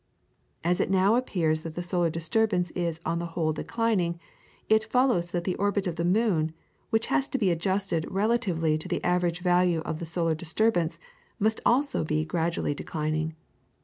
As it now appears that the solar disturbance is on the whole declining, it follows that the orbit of the moon, which has to be adjusted relatively to the average value of the solar disturbance, must also be gradually declining.